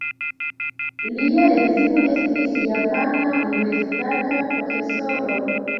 Lia edzino estis japana universitata profesoro.